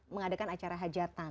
mengadakan acara hajatan